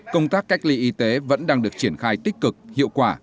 công tác cách ly y tế vẫn đang được triển khai tích cực hiệu quả